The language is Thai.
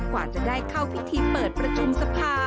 กว่าจะได้เข้าพิธีเปิดประชุมสภา